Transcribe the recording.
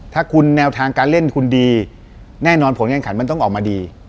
ถ้าคุณแนวทางการเล่นคุณดีแน่นอนผลงานขันมันต้องออกมาดี